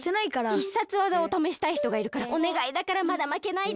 必殺技をためしたいひとがいるからおねがいだからまだまけないで。